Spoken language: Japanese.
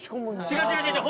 違う違う違う違う！